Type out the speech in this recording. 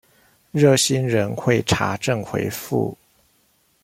熱心人會查證回覆